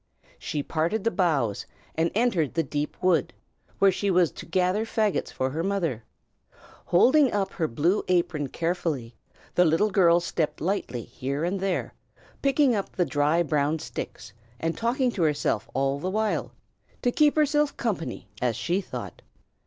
She parted the boughs, and entered the deep wood, where she was to gather faggots for her mother. Holding up her blue apron carefully, the little girl stepped lightly here and there, picking up the dry brown sticks, and talking to herself all the while, to keep herself company, as she thought.